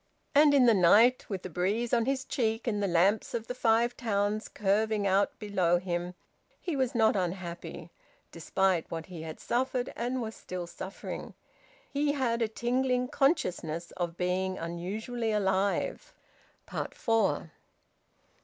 And in the night, with the breeze on his cheek, and the lamps of the Five Towns curving out below him, he was not unhappy, despite what he had suffered and was still suffering. He had a tingling consciousness of being unusually alive. FOUR.